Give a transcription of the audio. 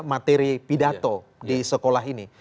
materi pidato di sekolah ini